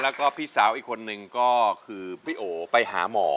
แล้วก็พี่สาวอีกคนนึงก็คือพี่โอไปหาหมอ